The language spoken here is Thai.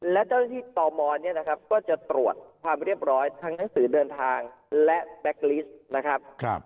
และเจ้าหน้าที่ตมเนี่ยนะครับก็จะตรวจความเรียบร้อยทั้งหนังสือเดินทางและแบ็คลิสต์นะครับ